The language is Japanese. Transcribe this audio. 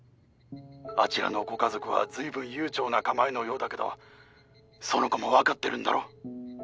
あちらのご家族はずいぶん悠長な構えのようだけど苑子も分かってるんだろ？